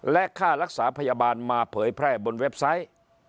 และค่ารักษาพยาบาลมาเผยแพร่บนเว็บไซต์